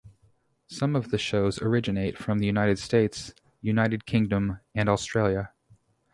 Some of the shows originate from the United States, United Kingdom and Australia.